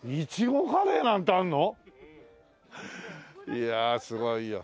いやあすごいよ。